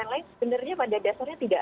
yang lain sebenarnya pada dasarnya tidak